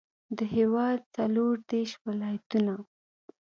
د هېواد څلوردېرش ولایتونه.